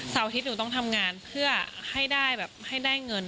สาวที่หนูต้องทำงานเพื่อให้ได้เงิน